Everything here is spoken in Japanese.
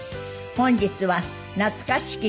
本日は懐かしき